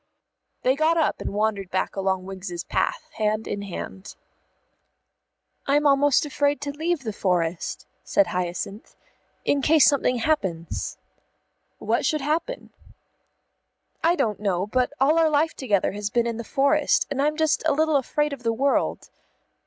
They got up and wandered back along Wiggs's path, hand in hand. "I'm almost afraid to leave the forest," said Hyacinth, "in case something happens." "What should happen?" "I don't know; but all our life together has been in the forest, and I'm just a little afraid of the world."